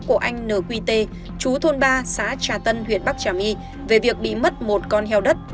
của anh n q t chú thôn ba xã trà tân huyện bắc trà my về việc bị mất một con heo đất